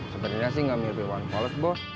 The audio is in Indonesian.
sebenernya sih gak mirip iwan fales bos